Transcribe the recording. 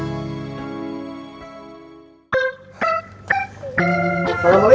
nanti kangen coy malah sakit